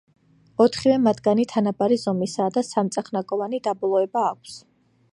ოთხივე მათგანი თანაბარი ზომისაა და სამწახნაგოვანი დაბოლოება აქვს.